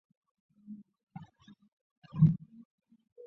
另外男性也有些宁愿醉心工作也不结婚。